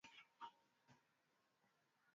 Baba ameondoka kwenda dukani.